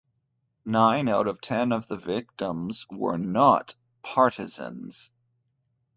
Nine out of ten of the victims were not partisans.